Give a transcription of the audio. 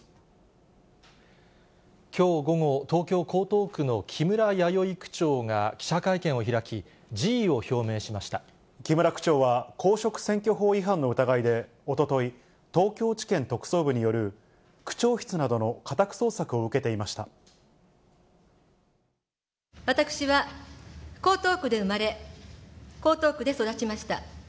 きょう午後、東京・江東区の木村弥生区長が記者会見を開き、辞意を表明しまし木村区長は、公職選挙法違反の疑いでおととい、東京地検特捜部による区長室など私は江東区で生まれ、江東区で育ちました。